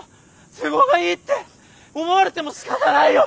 都合がいいって思われてもしかたないよ。